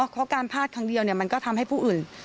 เพราะการพลาดครั้งเดียวมันก็ทำให้ผู้อื่น